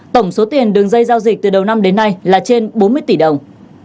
tổng số tiền đường dây giao dịch từ đầu năm đến nay là trên bốn mươi tỷ đồng